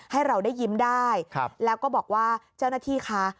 ให้เราได้ยิ้มได้แล้วก็บอกว่าเจ้าหน้าที่คะ